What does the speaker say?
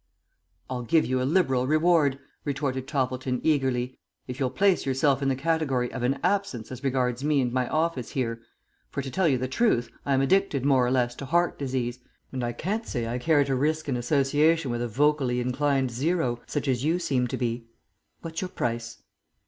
"I'll give you a liberal reward," retorted Toppleton, eagerly, "if you'll place yourself in the category of an Absence as regards me and my office here; for, to tell you the truth, I am addicted more or less to heart disease, and I can't say I care to risk an association with a vocally inclined zero, such as you seem to be. What's your price?"